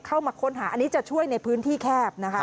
เข้ามาค้นหาอันนี้จะช่วยในพื้นที่แคบนะคะ